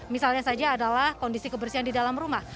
misalnya saja adalah kondisi kebersihan di dalam rumah